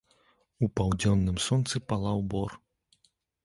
У паўдзённым сонцы палаў бор.